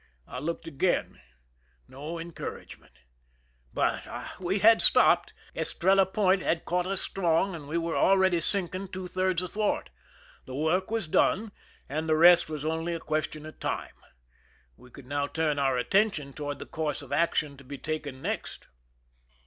I looked again: no encouragement. But ah ! we had stopped, Es trella Point had caught us strong, and we were steadily sinking two thirds athwart. The work was done, and the rest was only a question of time. We could now turn our attention toward the course of action to be taken next.